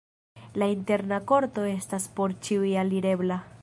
La interna korto estas por ĉiuj alirebla.